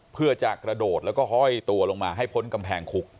เพื่อจะกระโดดแล้วก็ห้อยตัวลงมาให้พ้นกำแพงคุก